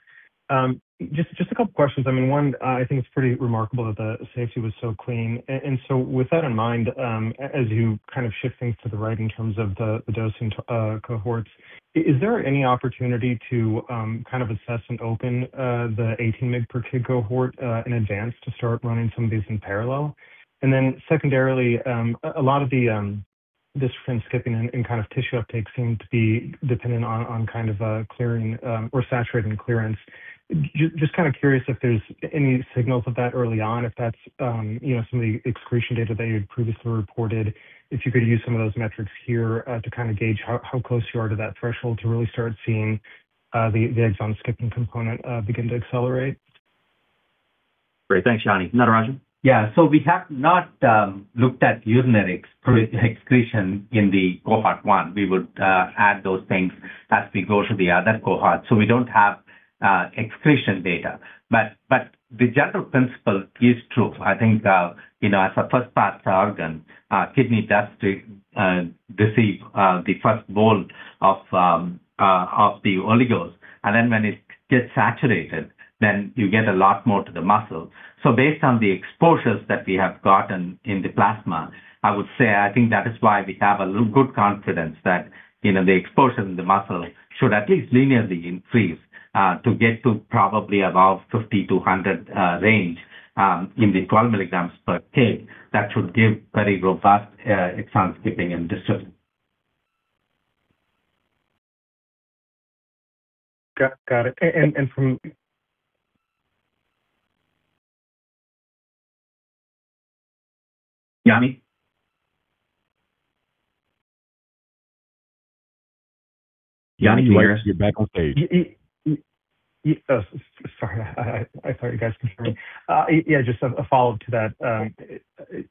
Just a couple questions. I mean, one, I think it's pretty remarkable that the safety was so clean. With that in mind, as you kind of shift things to the right in terms of the dosing to cohorts, is there any opportunity to kind of assess and open the 18mg/kg Cohort in advance to start running some of these in parallel? Secondarily, a lot of the dystrophin skipping and kind of tissue uptake seem to be dependent on kind of clearing or saturating clearance. Just kind of curious if there's any signals of that early on, if that's, you know, some of the excretion data that you previously reported, if you could use some of those metrics here, to kind of gauge how close you are to that threshold to really start seeing, the exon skipping component, begin to accelerate. Great. Thanks, Yanni. Natarajan? Yeah. We have not looked at urinary excretion in the Cohort 1. We would add those things as we go to the other cohorts. We don't have excretion data. The general principle is true. I think, you know, as a first pass organ, kidney does receive the first bolt of the oligos. When it gets saturated, you get a lot more to the muscle. Based on the exposures that we have gotten in the plasma, I would say I think that is why we have a good confidence that, you know, the exposure in the muscle should at least linearly increase to get to probably above 50-100 range in the 12mg/kg. That should give very robust exon skipping in dystrophin. Got it. And from- Yanni? Yanni, you appear to be back on stage. Oh, sorry. I thought you guys could hear me. Yeah, just a follow-up to that.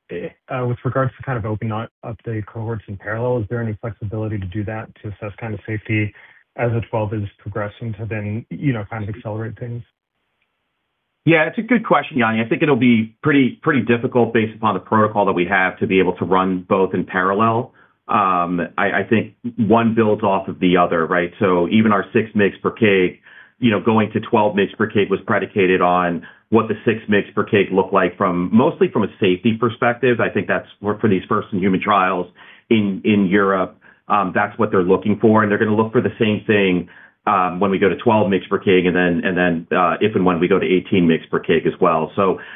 With regards to kind of opening up the cohorts in parallel, is there any flexibility to do that to assess kind of safety as the 12 is progressing to then, you know, kind of accelerate things? Yeah, it's a good question, Yanni. I think it'll be pretty difficult based upon the protocol that we have to be able to run both in parallel. I think one builds off of the other, right? Even our 6mg/kg, you know, going to 12mg/kg was predicated on what the 6mg/kg look like from mostly from a safety perspective. I think that's where for these first in human trials in Europe, that's what they're looking for, and they're gonna look for the same thing when we go to 12mg/kg and then, if and when we go to 18mg/kg as well.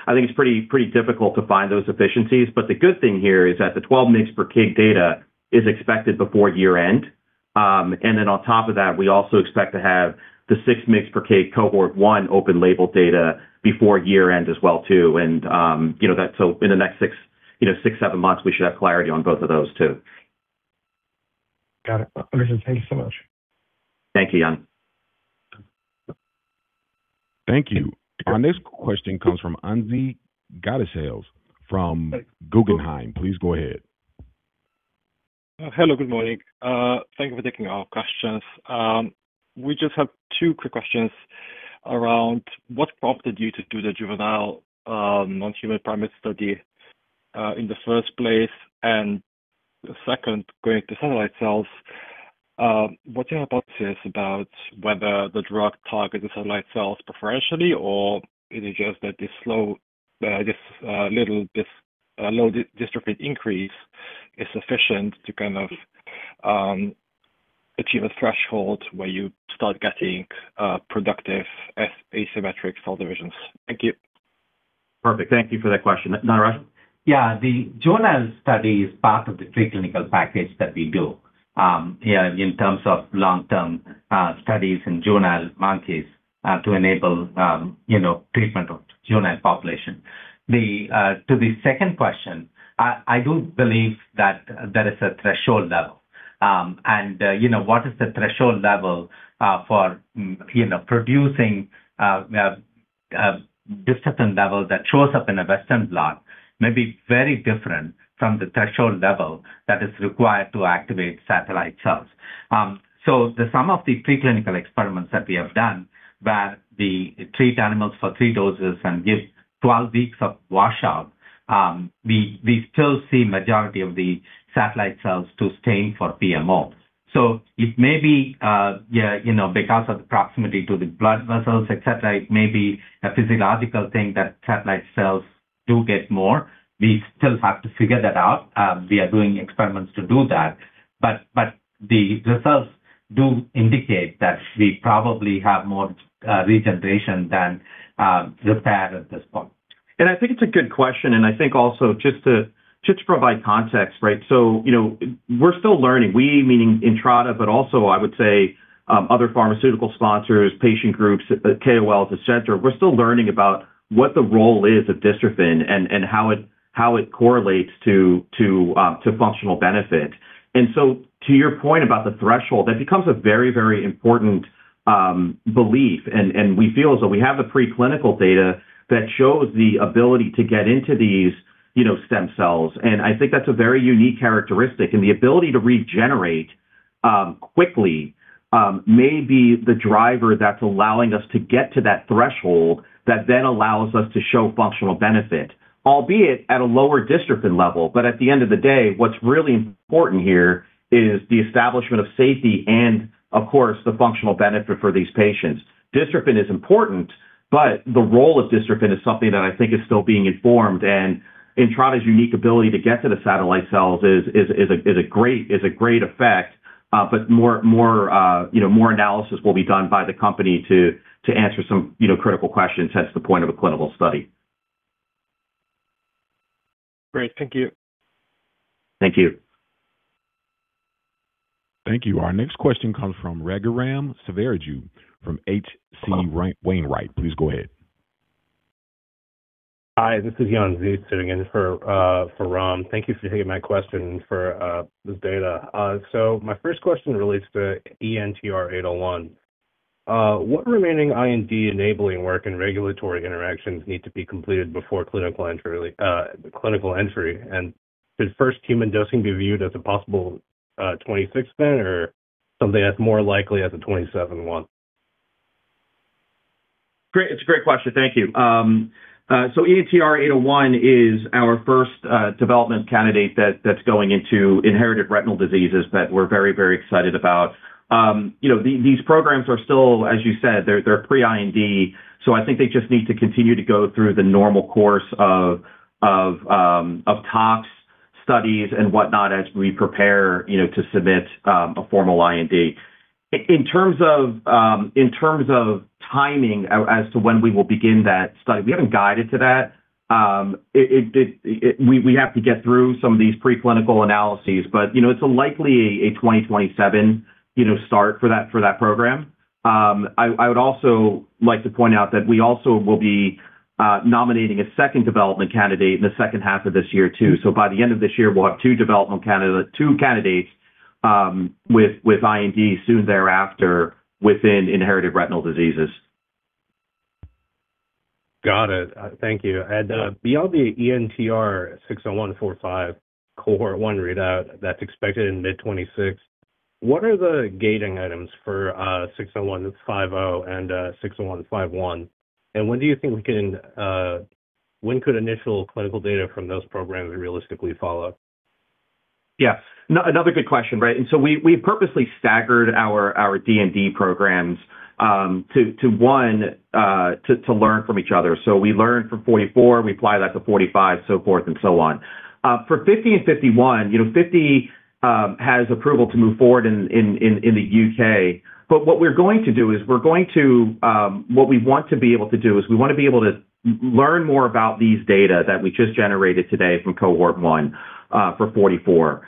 I think it's pretty difficult to find those efficiencies. The good thing here is that the 12mg/kg data is expected before year-end. On top of that, we also expect to have the 6mg/kg Cohort 1 open label data before year-end as well too. In the next six, seven months, we should have clarity on both of those too. Got it. Understood. Thank you so much. Thank you. Thank you. Our next question comes from Anže Godec from Guggenheim. Please go ahead. Hello. Good morning. Thank you for taking our questions. We just have two quick questions. Around what prompted you to do the juvenile non-human primate study in the first place, and second, going to satellite cells, what are your thoughts is about whether the drug targets the satellite cells preferentially, or it is just that this slow, this little low dystrophin increase is sufficient to kind of, achieve a threshold where you start getting productive asymmetric cell divisions? Thank you. Perfect. Thank you for that question. Natarajan? Yeah. The juvenile study is part of the preclinical package that we do, yeah, in terms of long-term studies in juvenile monkeys, to enable, you know, treatment of juvenile population. To the second question, I do believe that there is a threshold level. You know, what is the threshold level for, you know, producing dystrophin level that shows up in a western blot may be very different from the threshold level that is required to activate satellite cells. Some of the preclinical experiments that we have done where we treat animals for three doses and give 12 weeks of washout, we still see majority of the satellite cells to stain for PMO. It may be, you know, because of the proximity to the blood vessels, et cetera, it may be a physiological thing that satellite cells do get more. We still have to figure that out. We are doing experiments to do that. The results do indicate that we probably have more regeneration than repair at this point. I think it's a good question. I think also just to provide context, right? You know, we're still learning. We meaning Entrada, but also I would say, other pharmaceutical sponsors, patient groups, KOLs, et cetera. We're still learning about what the role is of dystrophin and how it correlates to functional benefit. To your point about the threshold, that becomes a very important belief. We feel as though we have the preclinical data that shows the ability to get into these, you know, stem cells. I think that's a very unique characteristic. The ability to regenerate quickly may be the driver that's allowing us to get to that threshold that allows us to show functional benefit, albeit at a lower dystrophin level. At the end of the day, what's really important here is the establishment of safety and of course, the functional benefit for these patients. Dystrophin is important, the role of dystrophin is something that I think is still being informed. Entrada's unique ability to get to the satellite cells is a great effect. More, you know, more analysis will be done by the company to answer some, you know, critical questions. That's the point of a clinical study. Great. Thank you. Thank you. Thank you. Our next question comes from Raghuram Selvaraju from H.C. Wainwright. Please go ahead. Hi, this is Yan Zhang sitting in for Ram Selvaraju. Thank you for taking my question for this data. My first question relates to ENTR-801. What remaining IND-enabling work and regulatory interactions need to be completed before clinical entry? Could first human dosing be viewed as a possible 2026 then or something that's more likely as a 2027 one? Great. It's a great question. Thank you. ENTR-801 is our first development candidate that's going into inherited retinal diseases that we're very, very excited about. You know, these programs are still, as you said, they're pre-IND, so I think they just need to continue to go through the normal course of tox studies and whatnot as we prepare, you know, to submit a formal IND. In terms of in terms of timing as to when we will begin that study, we haven't guided to that. We have to get through some of these preclinical analyses. You know, it's likely a 2027, you know, start for that, for that program. I would also like to point out that we also will be nominating a second development candidate in the second half of this year too. By the end of this year, we'll have two candidates with IND soon thereafter within inherited retinal diseases. Got it. Thank you. Beyond the ENTR-601-45 Cohort 1 readout that's expected in mid 2026, what are the gating items for ENTR-601-50 and ENTR-601-51? When do you think we can, when could initial clinical data from those programs realistically follow? Yeah. Another good question. Right. We purposely staggered our DMD programs to one to learn from each other. We learn from 44, we apply that to 45, so forth and so on. For 50 and 51, you know, 50 has approval to move forward in the U.K. What we want to be able to do is we want to be able to learn more about these data that we just generated today from Cohort 1 for 44.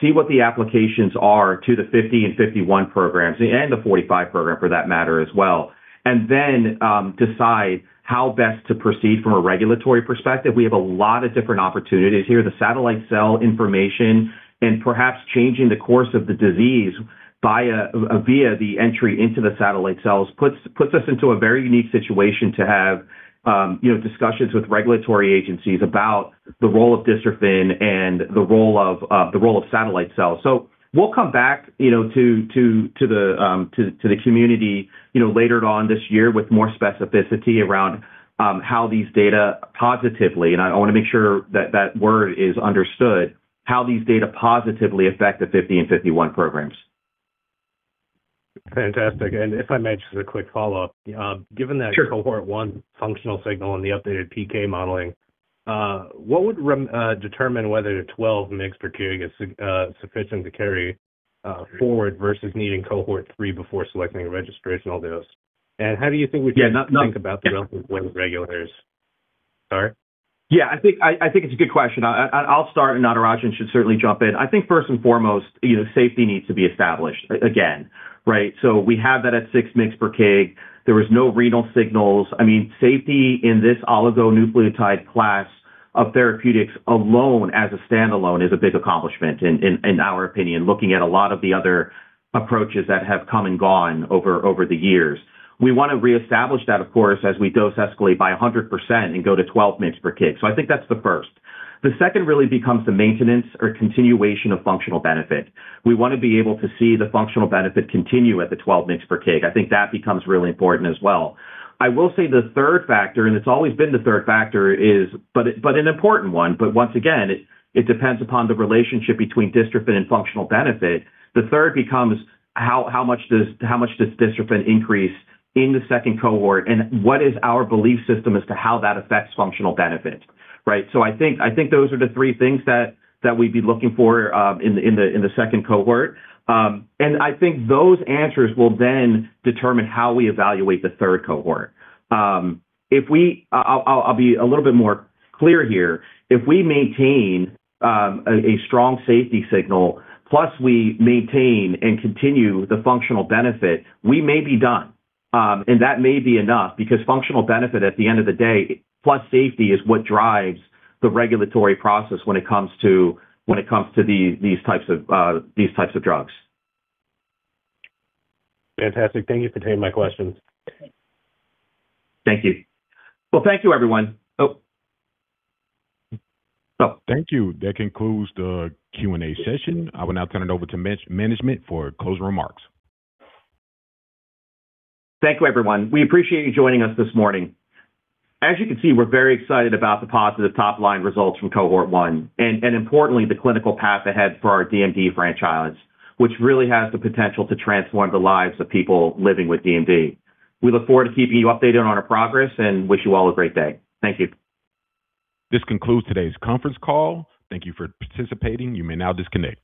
See what the applications are to the 50 and 51 programs and the 45 program for that matter as well. Decide how best to proceed from a regulatory perspective. We have a lot of different opportunities here. The satellite cell information and perhaps changing the course of the disease via the entry into the satellite cells puts us into a very unique situation to have, you know, discussions with regulatory agencies about the role of dystrophin and the role of the role of satellite cells. We'll come back, you know, to the community, you know, later on this year with more specificity around how these data positively, and I want to make sure that that word is understood, how these data positively affect the 50 and 51 programs. Fantastic. If I may, just a quick follow-up. Sure. Cohort one functional signal in the updated PK modeling, what would determine whether the 12mg/kg is sufficient to carry forward versus needing Cohort three before selecting a registrational dose? Yeah. Should think about the relevant when regulators. Sorry? I think it's a good question. I'll start, Natarajan should certainly jump in. I think first and foremost, you know, safety needs to be established again, right? We have that at 6mg/kg. There was no renal signals. I mean, safety in this oligonucleotide class of therapeutics alone as a standalone is a big accomplishment in our opinion, looking at a lot of the other approaches that have come and gone over the years. We want to reestablish that, of course, as we dose escalate by 100% and go to 12mg/kg. I think that's the first. The second really becomes the maintenance or continuation of functional benefit. We want to be able to see the functional benefit continue at the 12mg/kg. I think that becomes really important as well. I will say the third factor, and it's always been the third factor, is an important one. Once again, it depends upon the relationship between dystrophin and functional benefit. The third becomes how much does dystrophin increase in the second Cohort, and what is our belief system as to how that affects functional benefit, right? I think those are the three things that we'd be looking for in the second Cohort. I think those answers will then determine how we evaluate the third Cohort. I'll be a little bit more clear here. If we maintain a strong safety signal, plus we maintain and continue the functional benefit, we may be done. That may be enough because functional benefit, at the end of the day, plus safety, is what drives the regulatory process when it comes to, when it comes to these types of, these types of drugs. Fantastic. Thank you for taking my questions. Thank you. Well, thank you, everyone. Thank you. That concludes the Q&A session. I will now turn it over to management for closing remarks. Thank you, everyone. We appreciate you joining us this morning. As you can see, we're very excited about the positive top-line results from Cohort 1 and importantly, the clinical path ahead for our DMD franchise, which really has the potential to transform the lives of people living with DMD. We look forward to keeping you updated on our progress and wish you all a great day. Thank you. This concludes today's conference call. Thank you for participating. You may now disconnect.